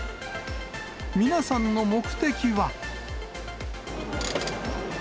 皆さんの目的は。